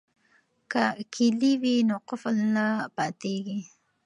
که کیلي وي نو قفل نه پاتیږي.